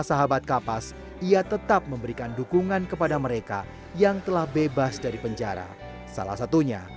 sahabat kapas ia tetap memberikan dukungan kepada mereka yang telah bebas dari penjara salah satunya